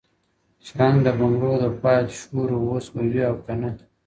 شرنګ د بنګړو د پایل شور وو اوس به وي او کنه